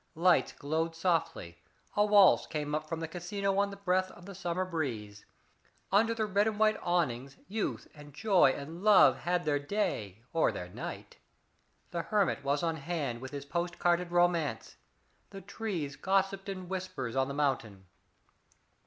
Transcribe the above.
Lights glowed softly; a waltz came up from the casino on the breath of the summer breeze. Under the red and white awnings youth and joy and love had their day or their night. The hermit was on hand with his postal carded romance. The trees gossiped in whispers on the mountain.